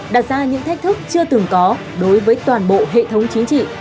đặt ra những thách thức chưa từng có đối với toàn bộ hệ thống chính trị